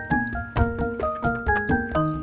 kan discutasi precision migrants